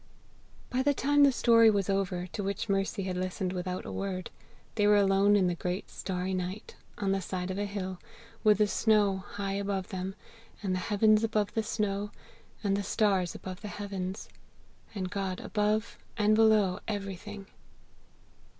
By the time the story was over, to which Mercy had listened without a word, they were alone in the great starry night, on the side of a hill, with the snow high above them, and the heavens above the snow, and the stars above the heavens, and God above and below everything.